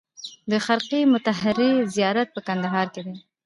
د خرقې مطهرې زیارت په کندهار کې دی